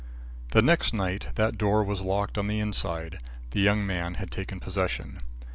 The next night that door was locked on the inside. The young man had taken possession.